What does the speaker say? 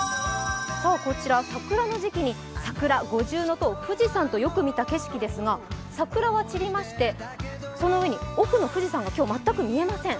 こちら桜の時期に桜、五重塔、富士山とよく似た景色ですが、桜は散りまして、その上に奥の富士山が全く見えません。